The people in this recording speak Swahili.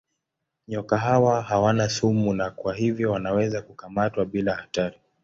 Nyoka hawa hawana sumu na kwa hivyo wanaweza kukamatwa bila hatari.